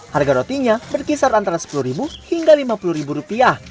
harga rotinya berkisar antara sepuluh ribu hingga lima puluh ribu rupiah